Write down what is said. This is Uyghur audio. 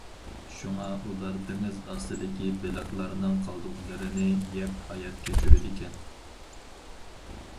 شۇڭا ئۇلار دېڭىز ئاستىدىكى بېلىقلارنىڭ قالدۇقلىرىنى يەپ ھايات كەچۈرىدىكەن.